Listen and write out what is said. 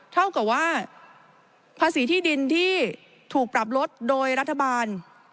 เท่ากับว่าภาษีที่ดินที่ถูกปรับลดโดยรัฐบาล